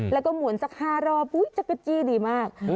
แล้วก็หมุนสัก๕รอบอุ๊ยจักรจี้ดีมาก